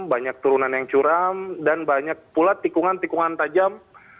banyak turunan yang curam dan banyak pula tikungan tikungan tajam